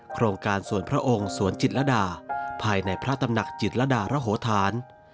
โครงการสวนพระองค์สวนจิตรดาภายในพระตำหนักจิตรดารโหธาน